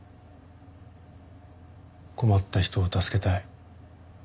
困った人を助けたい。